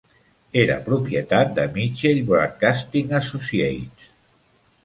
Era propietat de Mitchell Broadcasting Associates.